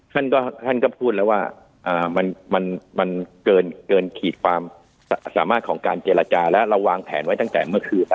ท่านก็พูดแล้วว่ามันเกินขีดความสามารถของการเจรจาและเราวางแผนไว้ตั้งแต่เมื่อคืน